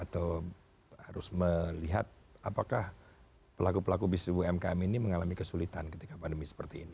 atau harus melihat apakah pelaku pelaku bisnis umkm ini mengalami kesulitan ketika pandemi seperti ini